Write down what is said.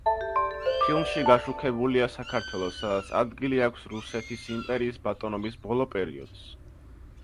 ფილმში გაშუქებულია საქართველო, სადაც ადგილი აქვს რუსეთის იმპერიის ბატონობის ბოლო პერიოდს.